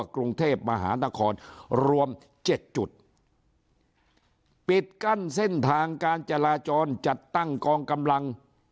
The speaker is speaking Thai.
กรุงเทพมหานครรวมเจ็ดจุดปิดกั้นเส้นทางการจราจรจัดตั้งกองกำลัง